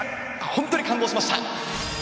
本当に感動しました。